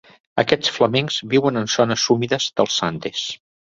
Aquests flamencs viuen en zones humides dels Andes.